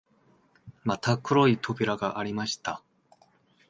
また黒い扉がありました